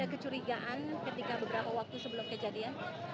ada kecurigaan ketika beberapa waktu sebelum kejadian